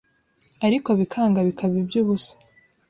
ariko bikanga bikaba iby’ubusa,